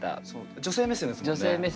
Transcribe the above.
女性目線ですもんね。